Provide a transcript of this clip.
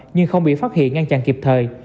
nhưng không bị phát hiện ngăn chặn kịp thời